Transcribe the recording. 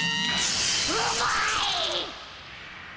うまいっ！